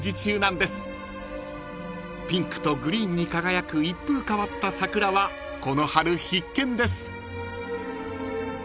［ピンクとグリーンに輝く一風変わったサクラはこの春必見です］